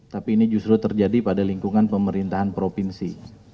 tapi ini justru terjadi pada lingkungan pemerintahan provinsi